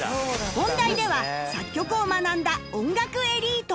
音大では作曲を学んだ音楽エリート